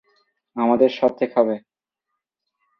আমাদের সাথে খাবে।